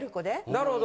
なるほど！